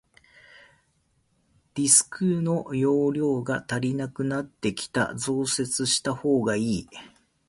ディスクの容量が足りなくなってきた、増設したほうがいい。